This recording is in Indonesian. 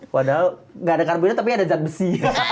padahal gak ada karbonnya tapi ada zat besi